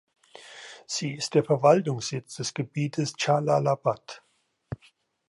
Sie ist der Verwaltungssitz des Gebiets Dschalalabat.